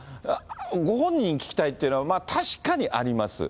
ご本人に聞きたいっていうのは、確かにあります。